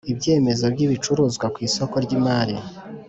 Ibyemezo by ibicuruzwa ku isoko ry imari